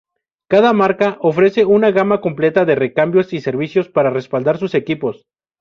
Cada marca ofrece una gama completa de recambios y servicios para respaldar sus equipos.